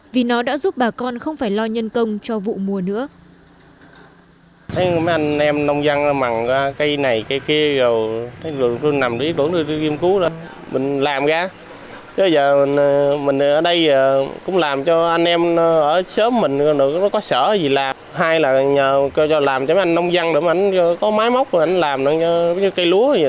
vì nó đã giúp bà con không phải lo nhân công cho vụ mùa nữa